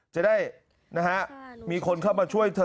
จะได้นะฮะมีคนเข้ามาช่วยเธอ